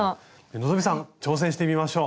希さん挑戦してみましょう！